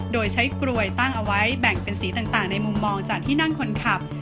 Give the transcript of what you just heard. โดยใช้กลวยตั้งเอาไว้แบ่งเป็นสีต่างในมุมมองจากที่นั่งคนขับ